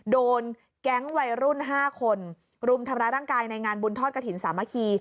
โดนแก๊งวัยรุ่น๕คนรุมทำร้ายร่างกายในงานบุญทอดกระถิ่นสามัคคี